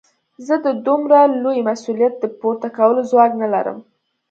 زه د دومره لوی مسوليت د پورته کولو ځواک نه لرم.